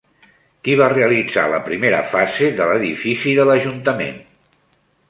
Qui va realitzar la primera fase de l'edifici de l'Ajuntament?